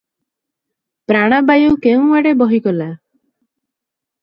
ପ୍ରାଣବାୟୁ କେଉଁଆଡ଼େ ବହିଗଲା ।